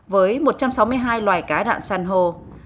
với một trăm sáu mươi hai loài cá rạng sàn hồ